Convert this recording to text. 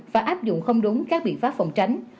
và áp dụng không đúng các biện pháp phòng tránh